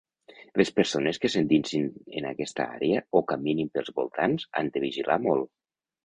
Les persones que s'endinsin en aquesta àrea o caminin pels voltants han de vigilar molt.